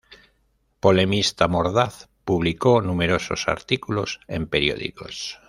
Polemista mordaz, publicó numerosos artículos en periódicos.